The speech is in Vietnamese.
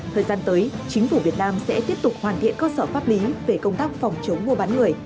thời gian tới chính phủ việt nam sẽ tiếp tục hoàn thiện cơ sở pháp lý về công tác phòng chống mua bán người